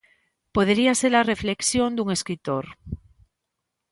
Podería ser a reflexión dun escritor.